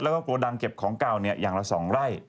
และกระโดงเก็บของเก่าเนี่ยอย่างละ๒ไร่